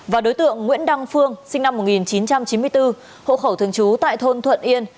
và đối tượng nguyễn đăng phương sinh năm một nghìn chín trăm chín mươi bốn hộ khẩu thường trú tại thôn thuận yên